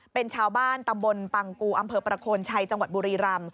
เป็นชาวบ้านตำบลปังกูอำเภอประโคนชัยจังหวัดบุรีรำ